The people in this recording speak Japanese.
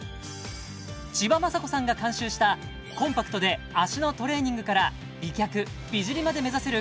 千葉真子さんが監修したコンパクトで脚のトレーニングから美脚・美尻まで目指せる